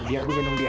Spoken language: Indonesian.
biar aku tolong dia